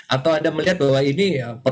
atau anda melihat bahwa ini